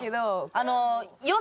あの。